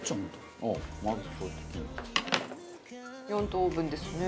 ４等分ですね。